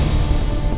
nih ini udah gampang